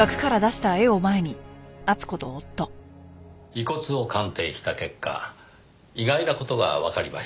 遺骨を鑑定した結果意外な事がわかりました。